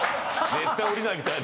絶対降りないみたいな。